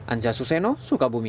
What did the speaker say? anja suseno sukabumi